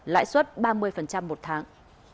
lãi suất ba mươi một tháng